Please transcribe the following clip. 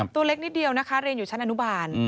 ตัวเล็กนิดเดียวนะคะเรียนอยู่ชั้นอนุบาล